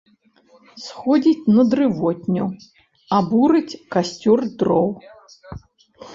Сходзіць на дрывотню абурыць касцёр дроў.